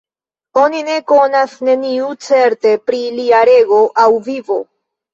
Oni ne konas neniu certe pri lia rego aŭ vivo.